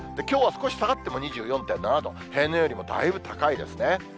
きょうは少し下がっても２４．７度、平年よりもだいぶ高いですね。